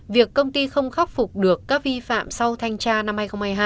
việc công ty không khắc phục được các vi phạm sau thanh tra năm hai nghìn hai mươi hai